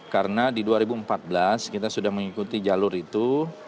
karena di dua ribu empat belas kita sudah mengikuti jalur itu